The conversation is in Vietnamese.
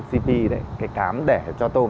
cp đấy cái cám để cho tôm